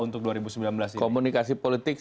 untuk dua ribu sembilan belas komunikasi politik